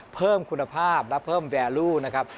เพิ่มคุณภาพและเพิ่มแวร์รูนะครับ